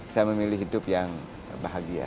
saya memilih hidup yang bahagia